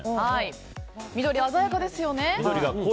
緑が鮮やかですよね。